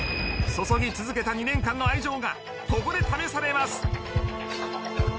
注ぎ続けた２年間の愛情がここで試されます。